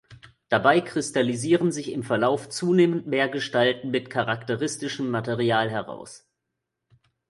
Dabei kristallisieren sich im Verlauf zunehmend mehr Gestalten mit charakteristischem Material heraus.